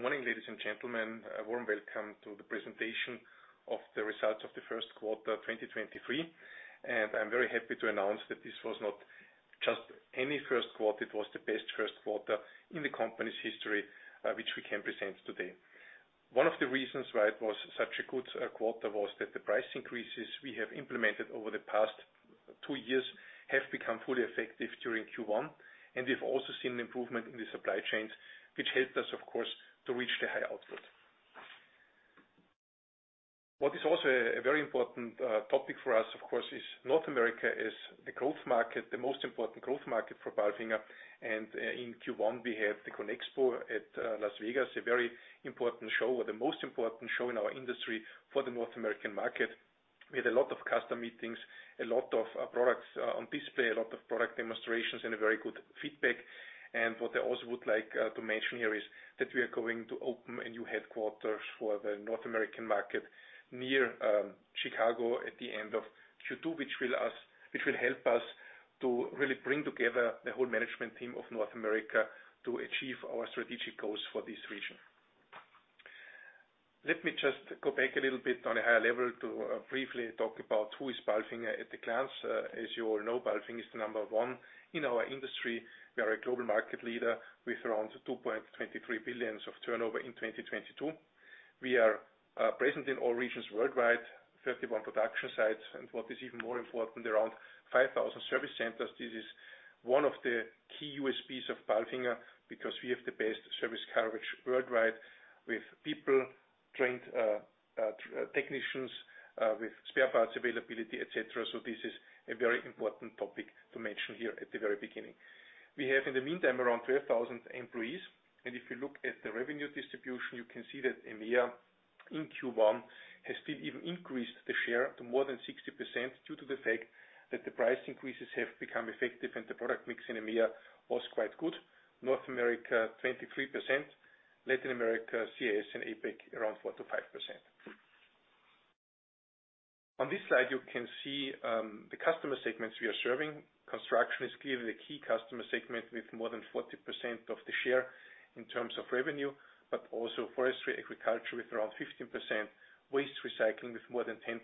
Good morning, ladies and gentlemen. A warm welcome to the presentation of the results of the first quarter, 2023. I'm very happy to announce that this was not just any first quarter, it was the best first quarter in the company's history, which we can present today. One of the reasons why it was such a good quarter was that the price increases we have implemented over the past two years have become fully effective during Q1, and we've also seen improvement in the supply chains, which helped us, of course, to reach the high output. What is also a very important topic for us, of course, is North America is the growth market, the most important growth market for Palfinger. In Q1, we had the CONEXPO at Las Vegas, a very important show, or the most important show in our industry for the North American market. We had a lot of customer meetings, a lot of products on display, a lot of product demonstrations, and a very good feedback. What I also would like to mention here is that we are going to open a new headquarters for the North American market near Chicago at the end of Q2, which will help us to really bring together the whole management team of North America to achieve our strategic goals for this region. Let me just go back a little bit on a higher level to briefly talk about who is Palfinger at a glance. As you all know, Palfinger is the number one in our industry. We are a global market leader with around 2.23 billion of turnover in 2022. We are present in all regions worldwide, 31 production sites, and what is even more important, around 5,000 service centers. This is one of the key USPs of Palfinger, because we have the best service coverage worldwide with people, trained technicians, with spare parts availability, et cetera. This is a very important topic to mention here at the very beginning. We have, in the meantime around 12,000 employees. If you look at the revenue distribution, you can see that EMEA in Q1 has still even increased the share to more than 60% due to the fact that the price increases have become effective, and the product mix in EMEA was quite good. North America, 23%. Latin America, CIS, and APAC, around 4%-5%. On this slide, you can see the customer segments we are serving. Construction is clearly the key customer segment with more than 40% of the share in terms of revenue. Also forestry, agriculture with around 15%, waste recycling with more than 10%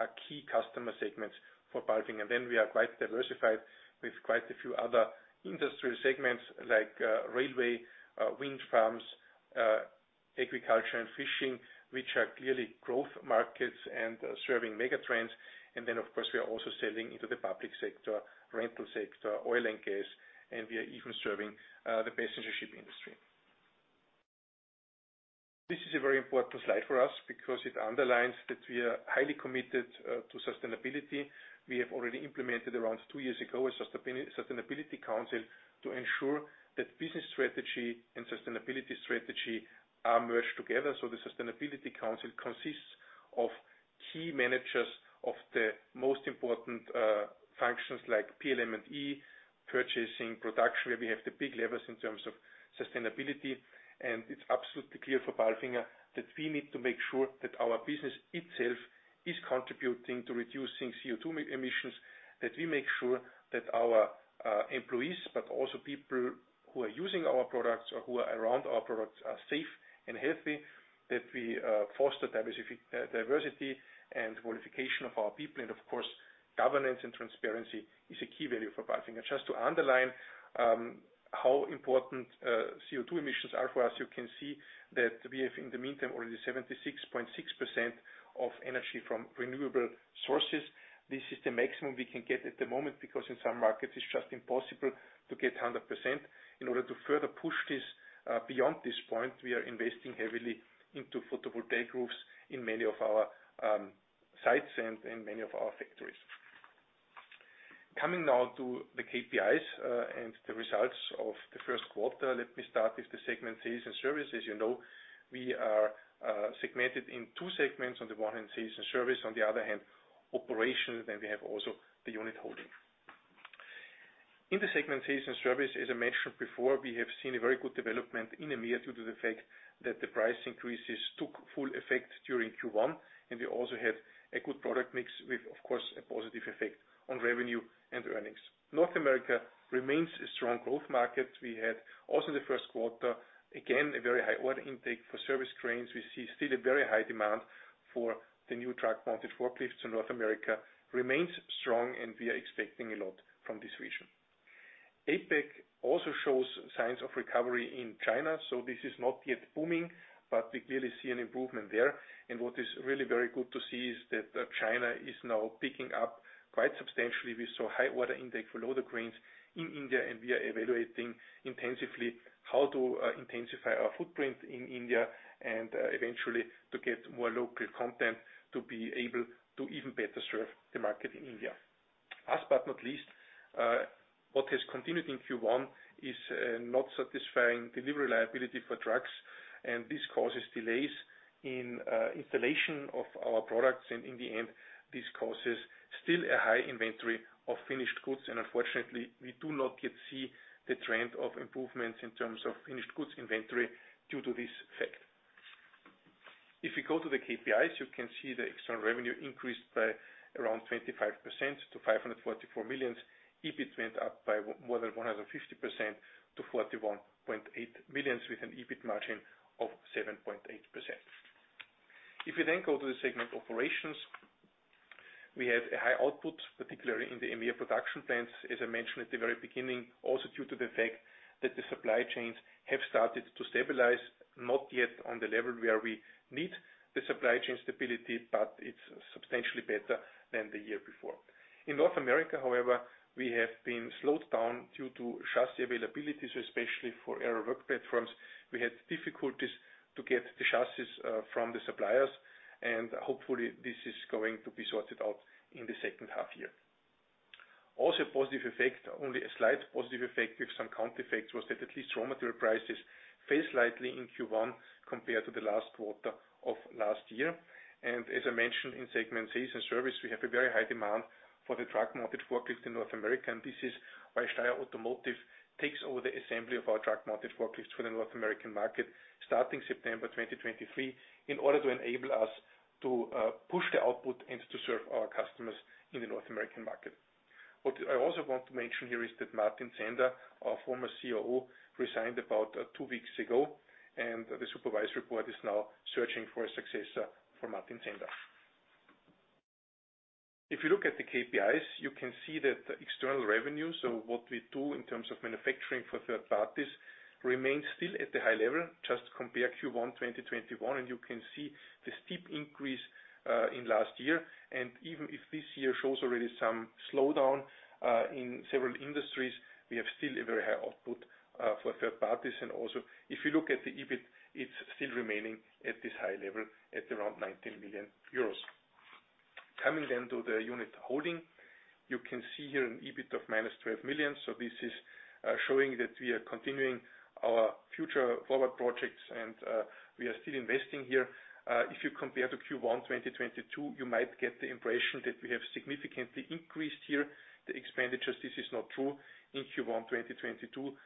are key customer segments for Palfinger. We are quite diversified with quite a few other industry segments like railway, wind farms, agriculture and fishing, which are clearly growth markets and serving megatrends. Of course, we are also selling into the public sector, rental sector, oil and gas, and we are even serving the passenger ship industry. This is a very important slide for us because it underlines that we are highly committed to sustainability. We have already implemented around two years ago a Sustainability Council to ensure that business strategy and sustainability strategy are merged together. The Sustainability Council consists of key managers of the most important functions like PLM&E, purchasing, production, where we have the big levers in terms of sustainability. It's absolutely clear for Palfinger that we need to make sure that our business itself is contributing to reducing CO2 emissions, that we make sure that our employees, but also people who are using our products or who are around our products, are safe and healthy, that we foster diversity and qualification of our people. Of course, governance and transparency is a key value for Palfinger. Just to underline how important CO2 emissions are for us, you can see that we have, in the meantime, already 76.6% of energy from renewable sources. This is the maximum we can get at the moment, because in some markets, it's just impossible to get 100%. In order to further push this beyond this point, we are investing heavily into photovoltaic roofs in many of our sites and in many of our factories. Coming now to the KPIs and the results of the first quarter. Let me start with the segment, Sales & Service. As you know, we are segmented in two segments. On the one hand, Sales & Service. On the other hand, Operations. We have also the Unit Holdings. In the segment Sales & Service, as I mentioned before, we have seen a very good development in EMEA due to the fact that the price increases took full effect during Q1, and we also had a good product mix with, of course, a positive effect on revenue and earnings. North America remains a strong growth market. We had also the first quarter, again, a very high order intake for service cranes. We see still a very high demand for the new truck-mounted forklifts, and North America remains strong, and we are expecting a lot from this region. APAC also shows signs of recovery in China, so this is not yet booming, but we clearly see an improvement there. What is really very good to see is that China is now picking up quite substantially. We saw high order intake for loader cranes in India, and we are evaluating intensively how to intensify our footprint in India and eventually to get more local content to be able to even better serve the market in India. Last but not least, what has continued in Q1 is not satisfying delivery liability for trucks, and this causes delays in installation of our products. In the end, this causes still a high inventory of finished goods. Unfortunately, we do not yet see the trend of improvements in terms of finished goods inventory. If we go to the KPIs, you can see the external revenue increased by around 25% to 544 million. EBIT went up by more than 150% to 41.8 million, with an EBIT margin of 7.8%. If you then go to the segment Operations, we had a high output, particularly in the MFA production plants, as I mentioned at the very beginning. Also, due to the fact that the supply chains have started to stabilize, not yet on the level where we need the supply chain stability, but it's substantially better than the year before. In North America, however, we have been slowed down due to chassis availabilities, especially for aerial work platforms. We had difficulties to get the chassis from the suppliers. Hopefully, this is going to be sorted out in the second half year. Also, positive effect, only a slight positive effect, with some counter effects, was that at least raw material prices fell slightly in Q1 compared to the last quarter of last year. As I mentioned in Sales & Service, we have a very high demand for the truck-mounted forklifts in North America. This is why Steyr Automotive takes over the assembly of our truck-mounted forklifts for the North American market starting September 2023, in order to enable us to push the output and to serve our customers in the North American market. What I also want to mention here is that Martin Zehnder, our former COO, resigned about two weeks ago, and the supervisory board is now searching for a successor for Martin Zehnder. If you look at the KPIs, you can see that external revenue, so what we do in terms of manufacturing for third parties, remains still at the high level. Just compare Q1 2021, and you can see the steep increase in last year. Even if this year shows already some slowdown in several industries, we have still a very high output for third parties. Also, if you look at the EBIT, it's still remaining at this high level at around 19 million euros. Coming then to the Holding Unit. You can see here an EBIT of -12 million. This is showing that we are continuing our future forward projects and we are still investing here. If you compare to Q1 2022, you might get the impression that we have significantly increased here the expenditures. This is not true. In Q1 2022,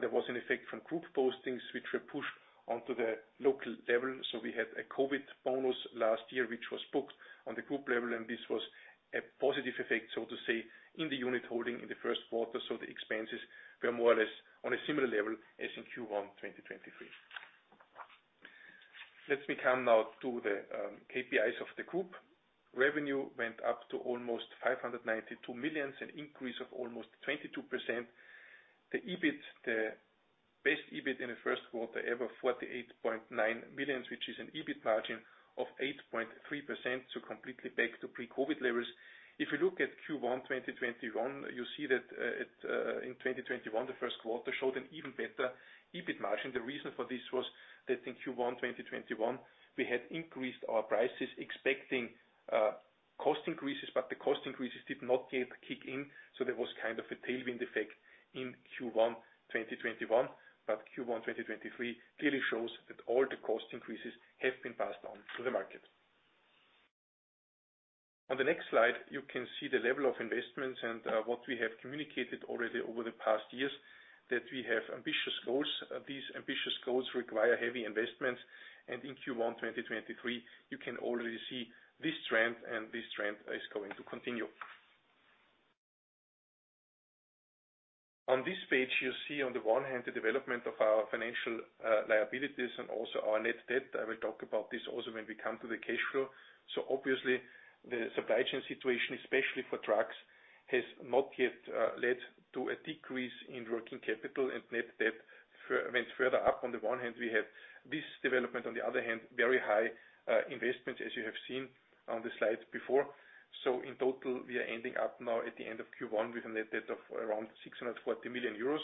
there was an effect from group postings which were pushed onto the local level. We had a COVID bonus last year, which was booked on the group level, and this was a positive effect, so to say, in the Holding Unit in the first quarter. The expenses were more or less on a similar level as in Q1 2023. Let me come now to the KPIs of the group. Revenue went up to almost 592 million, an increase of almost 22%. The EBIT, the best EBIT in the first quarter ever, 48.9 million, which is an EBIT margin of 8.3%. Completely back to pre-COVID levels. If you look at Q1 2021, you see that it in 2021, the first quarter showed an even better EBIT margin. The reason for this was that in Q1, 2021, we had increased our prices expecting cost increases, but the cost increases did not yet kick in. There was kind of a tailwind effect in Q1, 2021. Q1, 2023 clearly shows that all the cost increases have been passed on to the market. On the next slide, you can see the level of investments and what we have communicated already over the past years, that we have ambitious goals. These ambitious goals require heavy investments. In Q1, 2023, you can already see this trend, and this trend is going to continue. On this page, you see on the one hand, the development of our financial liabilities and also our net debt. I will talk about this also when we come to the cash flow. Obviously, the supply chain situation, especially for trucks, has not yet led to a decrease in working capital and net debt went further up. On the one hand, we have this development, on the other hand, very high investments, as you have seen on the slides before. In total, we are ending up now at the end of Q1 with a net debt of around 640 million euros.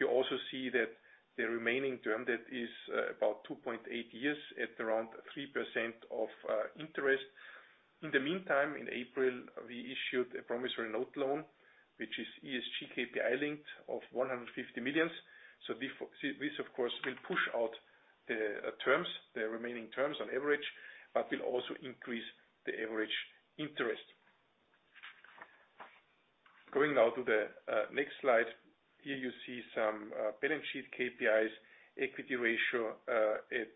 You also see that the remaining term debt is about 2.8 years at around 3% of interest. In the meantime, in April, we issued a promissory note loan, which is ESG KPI linked, of 150 million. This, of course, will push out the terms, the remaining terms on average, but will also increase the average interest. Going now to the next slide. Here you see some balance sheet KPIs. Equity ratio at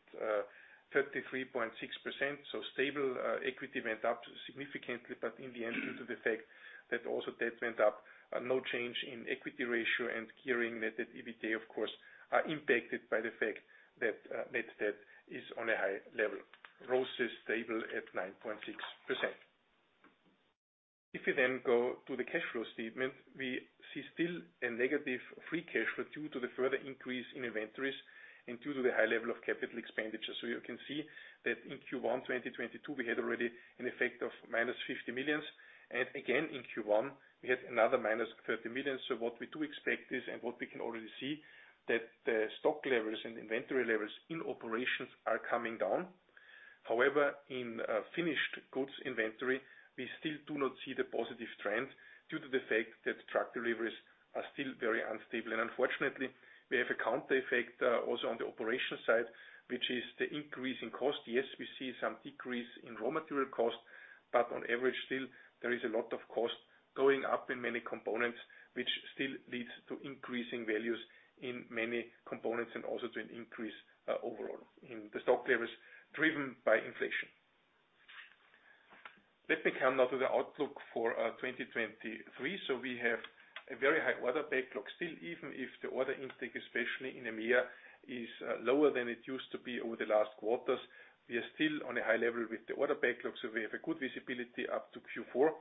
33.6%. Stable, equity went up significantly, but in the end, due to the fact that also debt went up. No change in equity ratio and gearing net at EBITDA, of course, are impacted by the fact that net debt is on a high level. ROCE is stable at 9.6%. If you then go to the cash flow statement, we see still a negative free cash flow due to the further increase in inventories and due to the high level of capital expenditures. You can see that in Q1 2022, we had already an effect of -50 million. Again, in Q1, we had another -30 million. What we do expect is, and what we can already see, that the stock levels and inventory levels in Operations are coming down. However, in finished goods inventory, we still do not see the positive trend due to the fact that truck deliveries are still very unstable. Unfortunately, we have a counter effect, also on the Operations side, which is the increase in cost. Yes, we see some decrease in raw material cost, but on average still, there is a lot of cost going up in many components, which still leads to increasing values in many components and also to an increase, overall in the stock levels driven by inflation. Let me come now to the outlook for 2023. We have a very high order backlog still, even if the order intake, especially in EMEA, is lower than it used to be over the last quarters. We are still on a high level with the order backlog, so we have a good visibility up to Q4.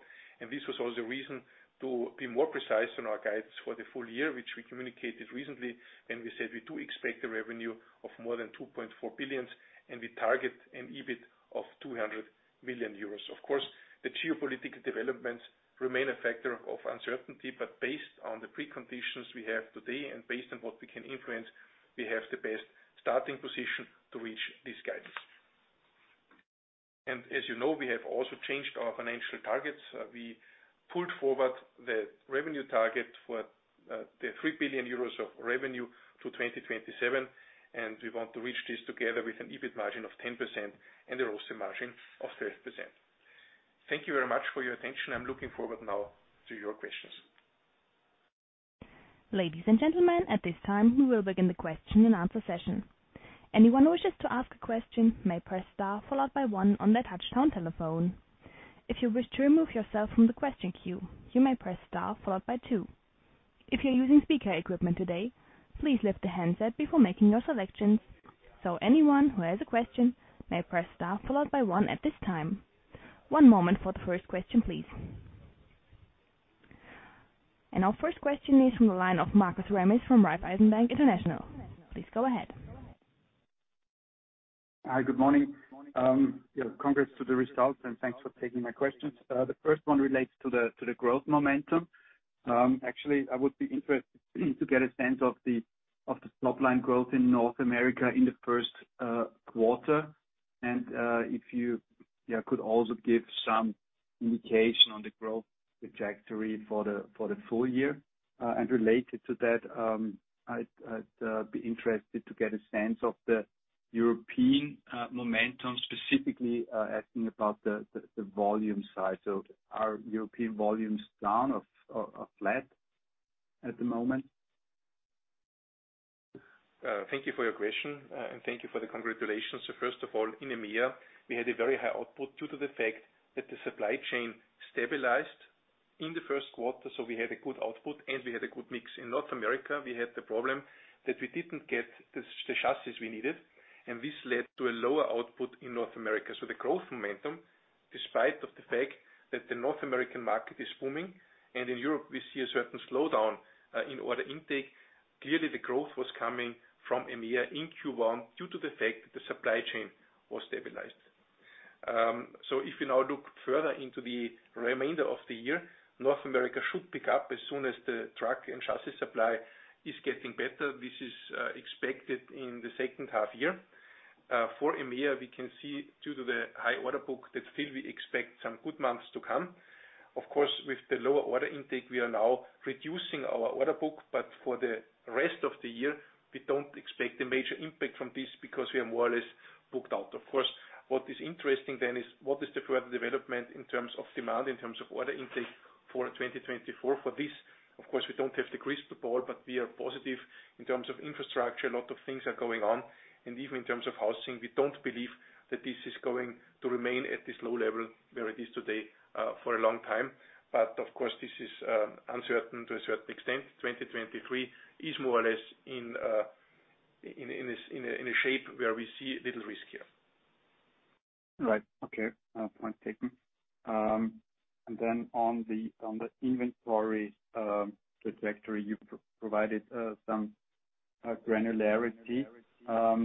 This was also the reason to be more precise on our guides for the full year, which we communicated recently when we said we do expect a revenue of more than 2.4 billion, and we target an EBIT of 200 million euros. Of course, the geopolitical developments remain a factor of uncertainty, but based on the preconditions we have today and based on what we can influence, we have the best starting position to reach this guidance. As you know, we have also changed our financial targets. We pulled forward the revenue target for the 3 billion euros of revenue to 2027. We want to reach this together with an EBIT margin of 10% and a ROCE margin of 12%. Thank you very much for your attention. I'm looking forward now to your questions. Ladies and gentlemen, at this time, we will begin the question and answer session. Anyone who wishes to ask a question may press star followed by one on their touchtone telephone. If you wish to remove yourself from the question queue, you may press star followed by two. If you're using speaker equipment today, please lift the handset before making your selections. Anyone who has a question may press star followed by one at this time. One moment for the first question, please. Our first question is from the line of Markus Remis from Raiffeisen Bank International. Please go ahead. Hi, good morning. Congrats to the results, and thanks for taking my questions. The first one relates to the growth momentum. Actually, I would be interested to get a sense of the top line growth in North America in the first quarter. If you could also give some indication on the growth trajectory for the full year. Related to that, I'd be interested to get a sense of the European momentum, specifically asking about the volume side. Are European volumes down or flat at the moment? Thank you for your question, and thank you for the congratulations. First of all, in EMEA, we had a very high output due to the fact that the supply chain stabilized in the first quarter, so we had a good output, and we had a good mix. In North America, we had the problem that we didn't get the chassis we needed, and this led to a lower output in North America. The growth momentum, despite of the fact that the North American market is booming, and in Europe, we see a certain slowdown in order intake. Clearly, the growth was coming from EMEA in Q1 due to the fact that the supply chain was stabilized. If you now look further into the remainder of the year, North America should pick up as soon as the truck and chassis supply is getting better. This is expected in the second half year. For EMEA, we can see due to the high order book that still we expect some good months to come. Of course, with the lower order intake, we are now reducing our order book, but for the rest of the year, we don't expect a major impact from this because we are more or less booked out. Of course, what is interesting then is what is the further development in terms of demand, in terms of order intake for 2024. For this, of course, we don't have the crystal ball, but we are positive. In terms of infrastructure, a lot of things are going on. Even in terms of housing, we don't believe that this is going to remain at this low level where it is today for a long time. Of course, this is uncertain to a certain extent. 2023 is more or less in a shape where we see little risk here. Right. Okay. point taken. On the inventory trajectory, you provided some granularity. I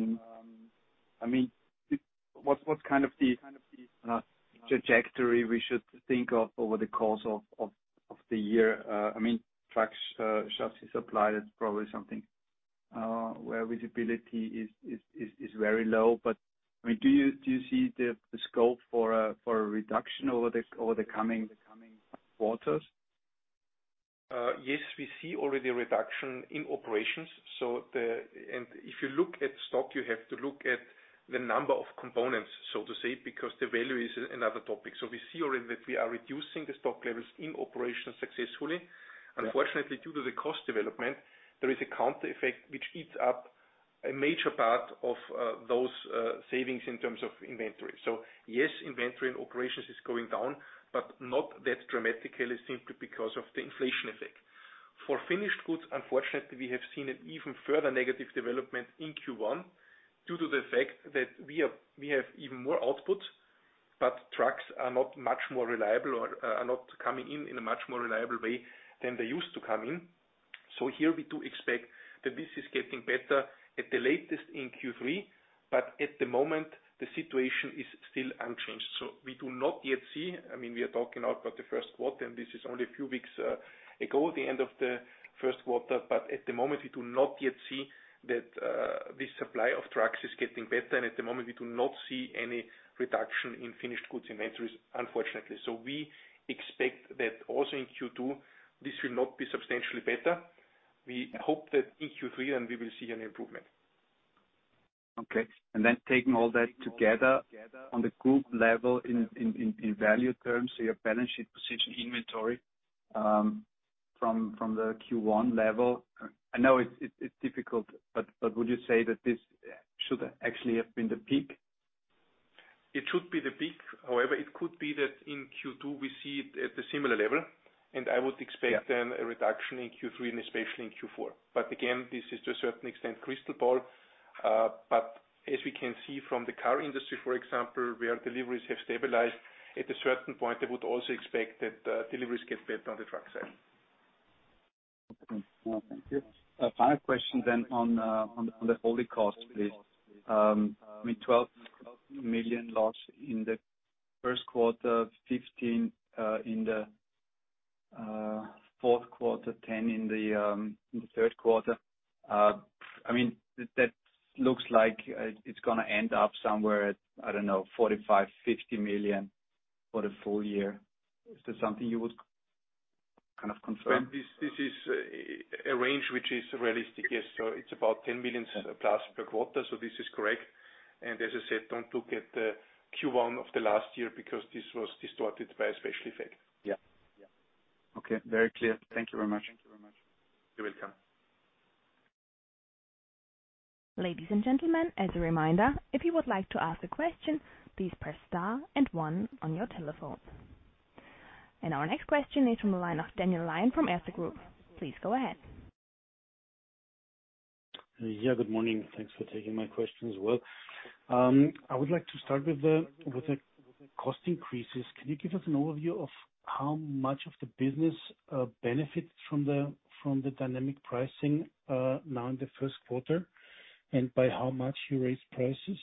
mean, what's kind of the trajectory we should think of over the course of the year? I mean, trucks chassis supply is probably something where visibility is very low. I mean, do you see the scope for a reduction over the coming quarters? Yes, we see already a reduction in Operations. If you look at stock, you have to look at the number of components, so to say, because the value is another topic. We see already that we are reducing the stock levels in Operations successfully. Unfortunately, due to the cost development, there is a counter effect which eats up a major part of those savings in terms of inventory. Yes, inventory and Operations is going down, but not that dramatically simply because of the inflation effect. For finished goods, unfortunately, we have seen an even further negative development in Q1 due to the fact that we have even more output, but trucks are not much more reliable or are not coming in in a much more reliable way than they used to come in. Here we do expect that this is getting better at the latest in Q3, but at the moment the situation is still unchanged. We do not yet see, I mean, we are talking now about the first quarter, and this is only a few weeks ago, the end of the first quarter. At the moment, we do not yet see that the supply of trucks is getting better. At the moment, we do not see any reduction in finished goods inventories, unfortunately. We expect that also in Q2, this will not be substantially better. We hope that in Q3, and we will see an improvement. Okay. Then taking all that together on the group level in value terms, so your balance sheet position inventory from the Q1 level. I know it's difficult, but would you say that this should actually have been the peak? It should be the peak. However, it could be that in Q2 we see it at a similar level, and I would expect. Yeah. a reduction in Q3 and especially in Q4. Again, this is to a certain extent, crystal ball. As we can see from the car industry, for example, where deliveries have stabilized. At a certain point, I would also expect that deliveries get better on the truck side. Okay. Well, thank you. A final question then on the holding cost, please. I mean, 12 million loss in the first quarter, 15 million in the fourth quarter, 10 million in the third quarter. I mean, that looks like it's gonna end up somewhere at, I don't know, 45 million-50 million for the full year. Is that something you would kind of confirm? This is a range which is realistic, yes. It's about 10 million. Yeah. -plus per quarter. This is correct. As I said, don't look at the Q1 of the last year because this was distorted by a special effect. Yeah. Yeah. Okay. Very clear. Thank you very much. You're welcome. Ladies and gentlemen, as a reminder, if you would like to ask a question, please press star and one on your telephone. Our next question is from the line of Daniel Ryan from Erste Group. Please go ahead. Yeah, good morning. Thanks for taking my questions as well. I would like to start with the, with the cost increases. Can you give us an overview of how much of the business benefits from the, from the dynamic pricing now in the first quarter? By how much you raise prices?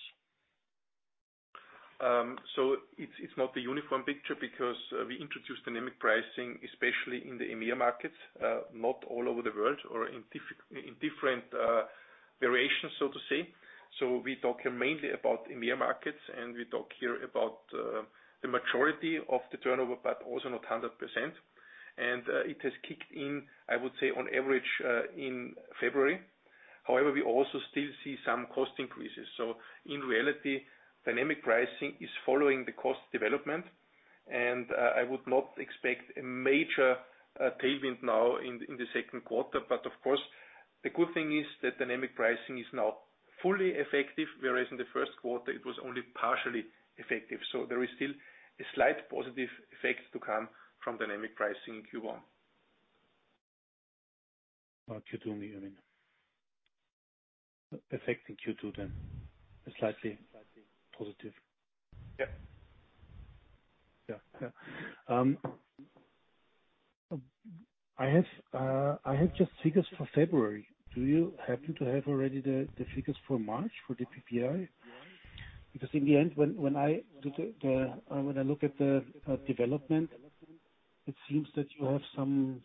It's not a uniform picture because we introduced dynamic pricing, especially in the EMEA markets, not all over the world or in different variations, so to say. We talk here mainly about EMEA markets, we talk here about the majority of the turnover, also not 100%. It has kicked in, I would say, on average, in February. However, we also still see some cost increases. In reality, dynamic pricing is following the cost development, I would not expect a major payment now in the second quarter. Of course, the good thing is that dynamic pricing is now fully effective, whereas in the first quarter it was only partially effective. There is still a slight positive effect to come from dynamic pricing in Q1. Q2, I mean. Affecting Q2. Slightly positive. Yeah. Yeah. Yeah. I have just figures for February. Do you happen to have already the figures for March for the PPI? In the end, when I do the, when I look at the development, it seems that you have some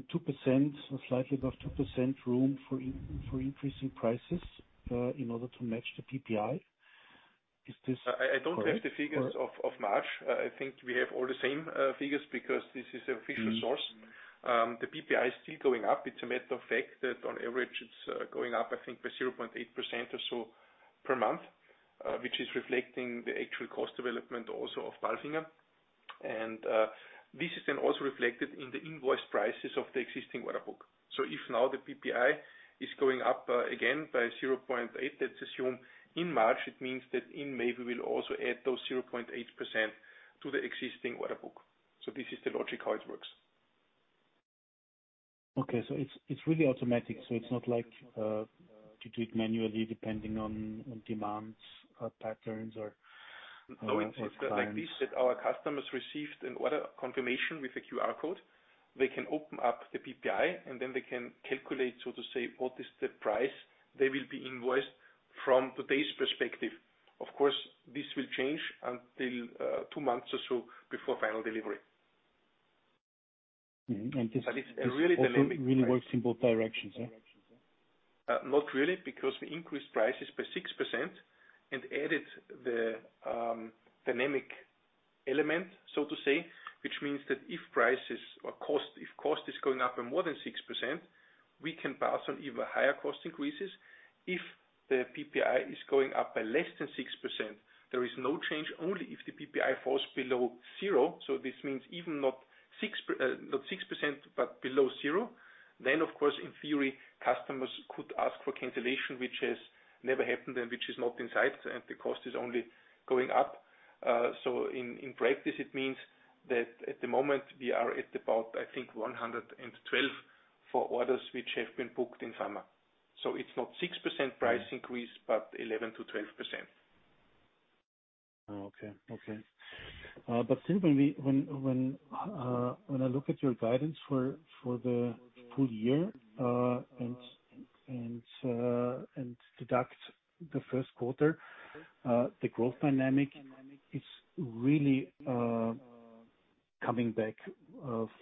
2% or slightly above 2% room for increasing prices in order to match the PPI. Is this correct? I don't have the figures of March. I think we have all the same figures because this is official source. The PPI is still going up. It's a matter of fact that on average it's going up, I think, by 0.8% or so per month, which is reflecting the actual cost development also of Palfinger. This is then also reflected in the invoice prices of the existing order book. If now the PPI is going up again by 0.8, let's assume in March, it means that in May, we will also add those 0.8% to the existing order book. This is the logic how it works. Okay. It's really automatic. It's not like, you do it manually depending on demands or patterns or clients. No, it's like this, that our customers received an order confirmation with a QR code. They can open up the PPI, then they can calculate, so to say, what is the price they will be invoiced from today's perspective. Of course, this will change until two months or so before final delivery. Mm-hmm. This. It's a really dynamic price. This also really works in both directions, huh? Not really, because we increased prices by 6% and added the dynamic element, so to say, which means that if prices or if cost is going up by more than 6%, we can pass on even higher cost increases. If the PPI is going up by less than 6%, there is no change. Only if the PPI falls below zero, so this means even not 6%, but below zero, then of course, in theory, customers could ask for cancellation, which has never happened and which is not in sight, and the cost is only going up. In practice, it means that at the moment we are at about, I think, 112 for orders which have been booked in summer. It's not 6% price increase, but 11%-12%. Okay. Okay. Still when we, when I look at your guidance for the full year, and deduct the first quarter, the growth dynamic is really coming back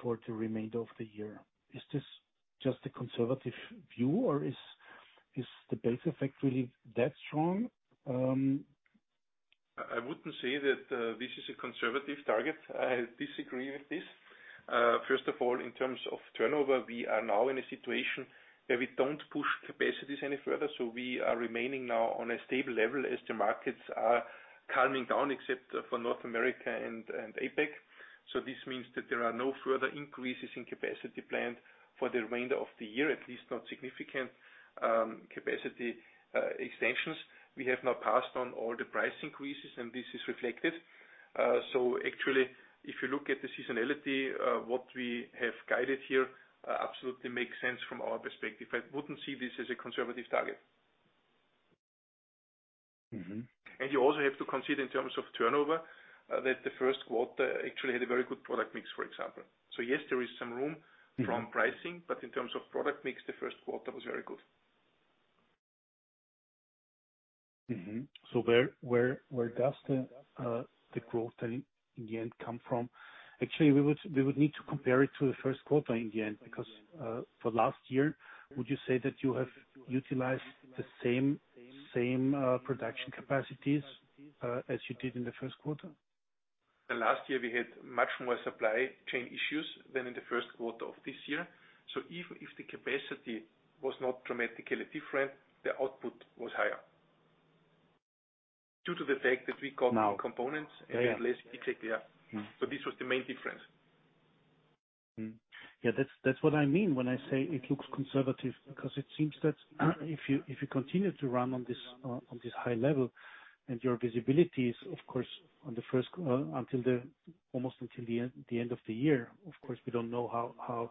for the remainder of the year. Is this just a conservative view, or is the base effect really that strong? I wouldn't say that this is a conservative target. I disagree with this. First of all, in terms of turnover, we are now in a situation where we don't push capacities any further, so we are remaining now on a stable level as the markets are calming down, except for North America and APAC. This means that there are no further increases in capacity planned for the remainder of the year, at least not significant capacity extensions. We have now passed on all the price increases, and this is reflected. Actually, if you look at the seasonality, what we have guided here, absolutely makes sense from our perspective. I wouldn't see this as a conservative target. Mm-hmm. You also have to consider in terms of turnover, that the first quarter actually had a very good product mix, for example. Yes, there is some. Mm-hmm. from pricing, in terms of product mix, the first quarter was very good. Where does the growth then in the end come from? Actually, we would need to compare it to the first quarter in the end, because for last year, would you say that you have utilized the same production capacities as you did in the first quarter? Last year, we had much more supply chain issues than in the first quarter of this year. Even if the capacity was not dramatically different, the output was higher. Due to the fact that. Now. new components Yeah, yeah. Had less. Mm-hmm. This was the main difference. Yeah. That's what I mean when I say it looks conservative, because it seems that if you continue to run on this high level and your visibility is of course on the first almost until the end of the year. Of course, we don't know how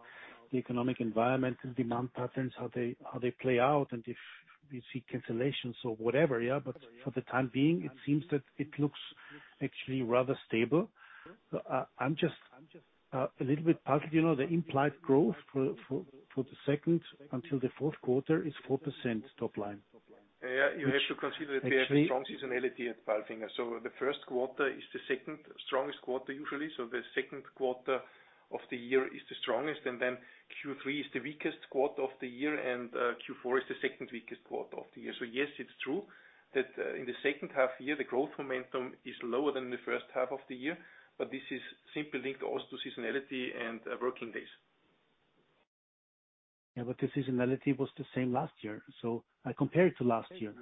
the economic environment and demand patterns, how they play out and if we see cancellations or whatever, yeah. For the time being, it seems that it looks actually rather stable. I'm just a little bit puzzled, you know. The implied growth for the second until the fourth quarter is 4% top line. Yeah. The first quarter is the second strongest quarter usually. The second quarter of the year is the strongest, and then Q3 is the weakest quarter of the year, and Q4 is the second weakest quarter of the year. Yes, it's true that in the second half year, the growth momentum is lower than the first half of the year, but this is simply linked also to seasonality and working days. The seasonality was the same last year, I compare it to last year.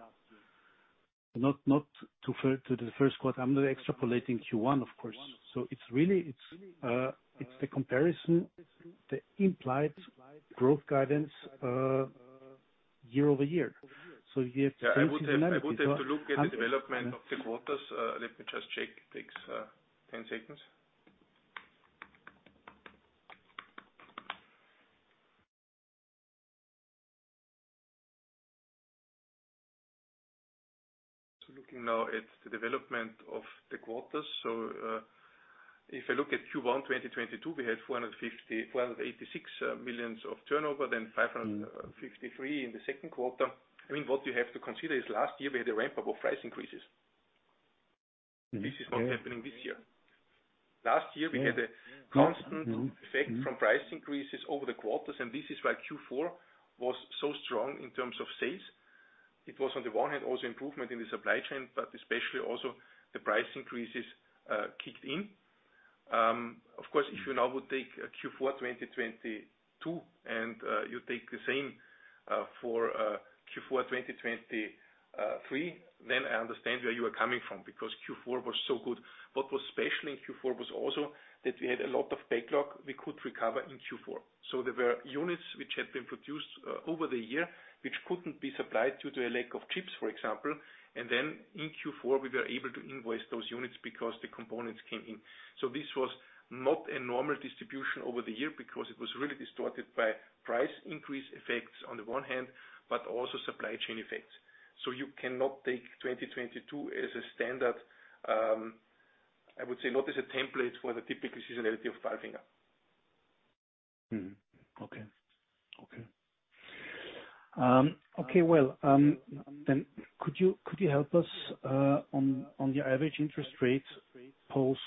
Not to the first quarter. I'm not extrapolating Q1, of course. It's really, it's the comparison, the implied growth guidance, year-over-year. You have. Yeah. I would have to look at the development of the quarters. Let me just check. Takes 10 seconds. Looking now at the development of the quarters. If I look at Q1 2022, we had 450.86 million of turnover, then 553 million in the second quarter. I mean, what you have to consider is last year we had a ramp-up of price increases. Mm-hmm. Yeah. This is what's happening this year. Last year- Yeah. We had a constant effect from price increases over the quarters. This is why Q4 was so strong in terms of sales. It was on the one hand also improvement in the supply chain. Especially also the price increases kicked in. Of course, if you now would take Q4 2022, and you take the same for Q4 2023, then I understand where you are coming from because Q4 was so good. What was special in Q4 was also that we had a lot of backlog we could recover in Q4. There were units which had been produced over the year, which couldn't be supplied due to a lack of chips, for example. In Q4, we were able to invoice those units because the components came in. This was not a normal distribution over the year because it was really distorted by price increase effects on the one hand, but also supply chain effects. You cannot take 2022 as a standard, I would say not as a template for the typical seasonality of Palfinger. Could you help us on your average interest rates post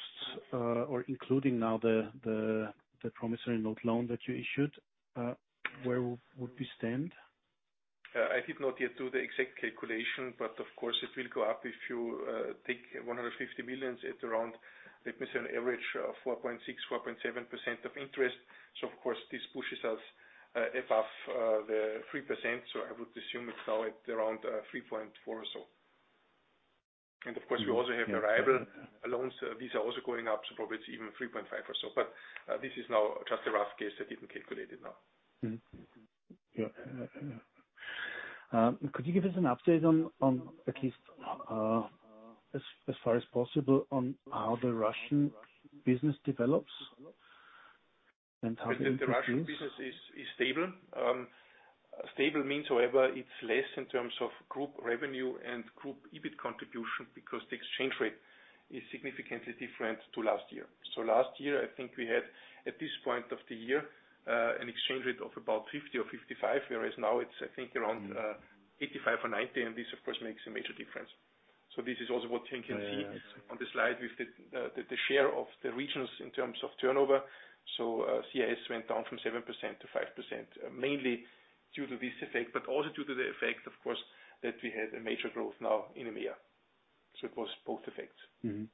or including now the promissory note loan that you issued where would we stand? I did not yet do the exact calculation. Of course it will go up if you take 150 million at around, let me say, an average of 4.6%-4.7% of interest. Of course, this pushes us above the 3%. I would assume it's now at around 3.4% or so. Yeah. We also have the rival loans. These are also going up, so probably it's even 3.5 or so. This is now just a rough guess. I didn't calculate it now. Mm-hmm. Yeah. Could you give us an update on at least, as far as possible on how the Russian business develops. The Russian business is stable. Stable means, however, it's less in terms of group revenue and group EBIT contribution because the exchange rate is significantly different to last year. Last year, I think we had, at this point of the year, an exchange rate of about 50 or 55, whereas now it's I think around 85 or 90, and this of course makes a major difference. This is also what you can see. Yeah, yeah. on the slide with the share of the regions in terms of turnover. CIS went down from 7% to 5%, mainly due to this effect, but also due to the effect, of course, that we had a major growth now in EMEA. It was both effects. Mm-hmm.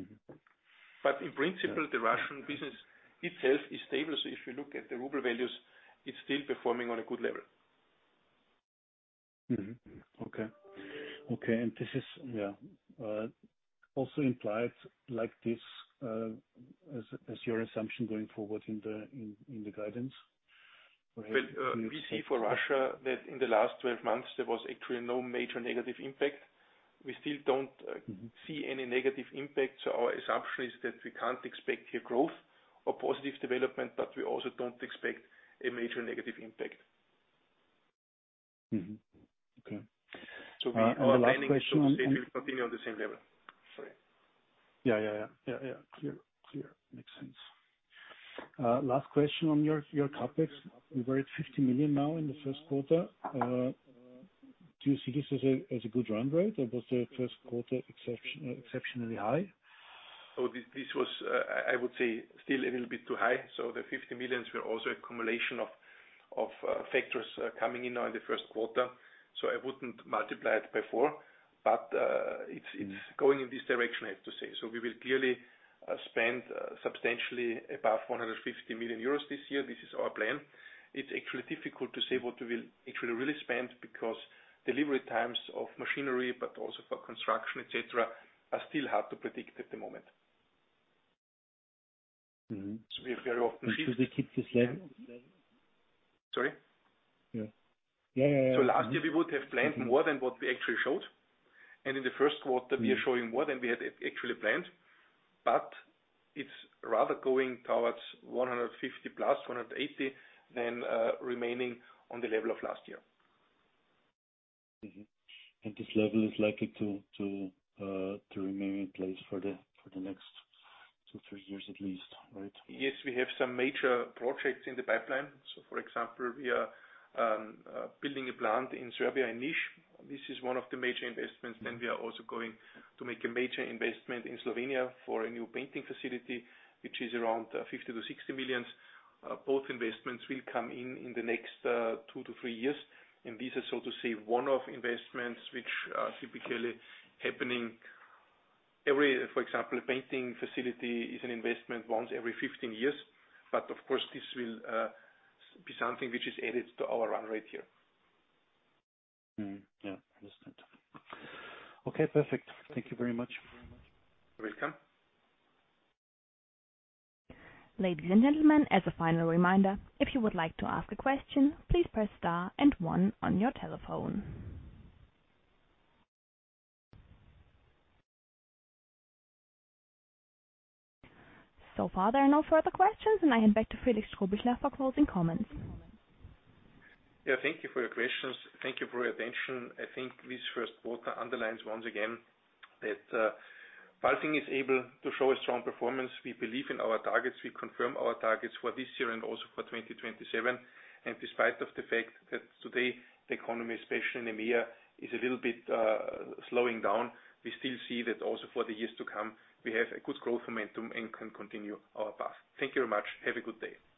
Mm-hmm. In principle, the Russian business itself is stable. If you look at the ruble values, it's still performing on a good level. Mm-hmm. Okay. This is, yeah, also implied like this, as your assumption going forward in the guidance. Go ahead. Well, we see for Russia that in the last 12 months there was actually no major negative impact. We still don't. Mm-hmm see any negative impact. Our assumption is that we can't expect here growth or positive development, but we also don't expect a major negative impact. Mm-hmm. Okay. We are aligning. The last question? It will continue on the same level. Sorry. Yeah, yeah. Yeah, yeah. Clear. Clear. Makes sense. Last question on your CapEx. You were at 50 million now in the first quarter. Do you see this as a good run rate, or was the first quarter exceptionally high? This was, I would say, still a little bit too high. The 50 million EUR were also accumulation of factors coming in now in the first quarter, so I wouldn't multiply it by four. It's going in this direction, I have to say. We will clearly spend substantially above 150 million euros this year. This is our plan. It's actually difficult to say what we will actually really spend because delivery times of machinery, but also for construction, et cetera, are still hard to predict at the moment. Mm-hmm. We have very often. Will they keep this level? Sorry? Yeah. Yeah, yeah. Mm-hmm. Last year we would have planned more than what we actually showed. In the first quarter we are showing more than we had actually planned, but it's rather going towards 150+, 180 than remaining on the level of last year. Mm-hmm. This level is likely to remain in place for the next two, three years at least, right? Yes. We have some major projects in the pipeline. For example, we are building a plant in Serbia, Nis. This is one of the major investments. We are also going to make a major investment in Slovenia for a new painting facility, which is around 50 million-60 million. Both investments will come in in the next two to three years. These are, so to say, one-off investments. For example, a painting facility is an investment once every 15 years. Of course, this will be something which is added to our run rate here. Mm-hmm. Yeah. Understood. Okay, perfect. Thank you very much. You're welcome. Ladies and gentlemen, as a final reminder, if you would like to ask a question, please press star and one on your telephone. So far, there are no further questions, and I hand back to Felix Strohbichler for closing comments. Yeah. Thank you for your questions. Thank you for your attention. I think this first quarter underlines once again that Palfinger is able to show a strong performance. We believe in our targets. We confirm our targets for this year and also for 2027. Despite of the fact that today the economy, especially in EMEA, is a little bit slowing down, we still see that also for the years to come, we have a good growth momentum and can continue our path. Thank you very much. Have a good day. Bye.